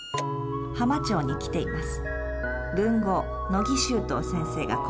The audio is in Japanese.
浜町に来ています。